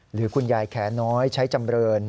หรือคุณยายแขนน้อยใช้จำเริน